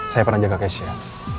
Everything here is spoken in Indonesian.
saya pernah jaga keisha